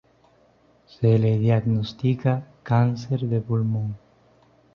Se le diagnostica cáncer de pulmón.